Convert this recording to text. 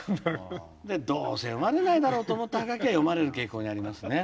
どうせ読まれないだろうと思ったハガキが読まれる傾向にありますね。